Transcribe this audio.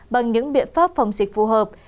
bằng những biện pháp phòng dịch phù hợp